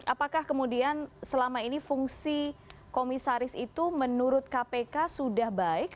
apakah kemudian selama ini fungsi komisaris itu menurut kpk sudah baik